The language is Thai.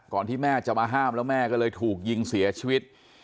ที่แม่จะมาห้ามแล้วแม่ก็เลยถูกยิงเสียชีวิต